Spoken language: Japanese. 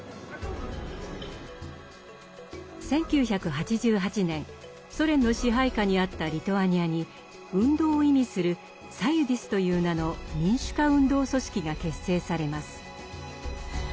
１９８８年ソ連の支配下にあったリトアニアに「運動」を意味する「サユディス」という名の民主化運動組織が結成されます。